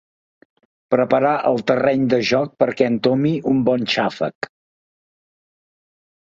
Preparar el terreny de joc perquè entomi un bon xàfec.